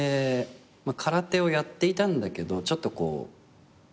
空手をやっていたんだけどちょっとこう。